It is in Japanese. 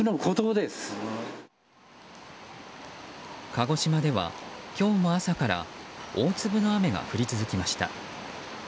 鹿児島では、今日も朝から大粒の雨が降り続きました。